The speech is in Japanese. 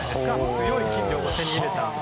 強い筋力を手に入れても。